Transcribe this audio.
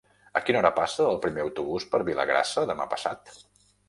A quina hora passa el primer autobús per Vilagrassa demà passat?